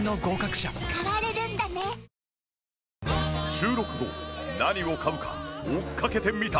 収録後何を買うか追っかけてみた。